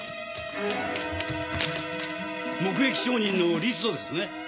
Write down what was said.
目撃証人のリストですね？